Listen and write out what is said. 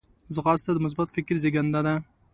ځغاسته د مثبت فکر زیږنده ده